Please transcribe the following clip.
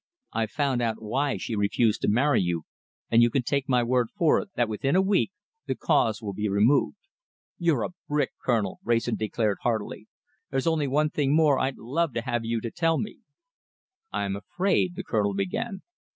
I've found out why she refused to marry you, and you can take my word for it that within a week the cause will be removed." "You're a brick, Colonel," Wrayson declared heartily. "There's only one thing more I'd love to have you to tell me." "I'm afraid " the Colonel began.